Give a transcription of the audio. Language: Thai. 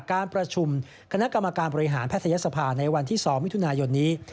การประชุมคณะกรรมการบริหารแพทยศภาในวันที่๒มิถุนายนนี้